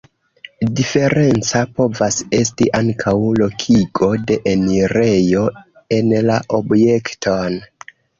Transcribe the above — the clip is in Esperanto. Diferenca povas esti ankaŭ lokigo de enirejo en la objekton.